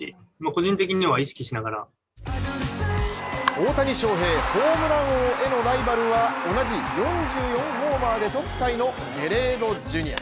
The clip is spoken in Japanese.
大谷翔平、ホームラン王へのライバルは同じ４４ホーマーでトップタイのゲレーロジュニア。